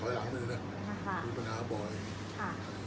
อันไหนที่มันไม่จริงแล้วอาจารย์อยากพูด